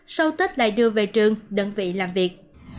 sau tết lại đưa về trường đơn vị làm việc